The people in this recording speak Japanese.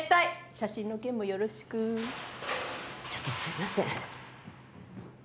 写真の件もよろしくちょっとすいません